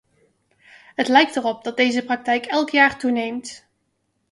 Het lijkt erop dat deze praktijk elk jaar toeneemt.